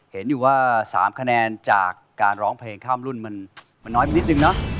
เห็นอยู่ว่า๓คะแนนจากการร้องเพลงข้ามรุ่นมันน้อยไปนิดนึงเนาะ